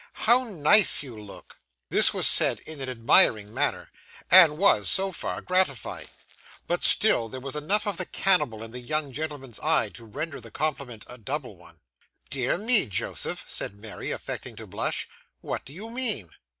How nice you look!' This was said in an admiring manner, and was, so far, gratifying; but still there was enough of the cannibal in the young gentleman's eyes to render the compliment a double one. 'Dear me, Joseph,' said Mary, affecting to blush, 'what do you mean?